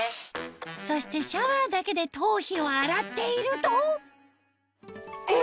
そしてシャワーだけで頭皮を洗っているとえっ⁉